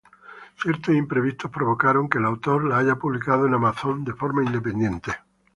Ciertos imprevistos provocaron que el autor la haya publicado en Amazon de forma independiente.